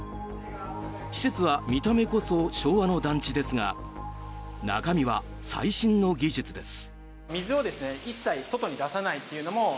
施設は見た目こそ昭和の団地ですが中身は最新の技術です。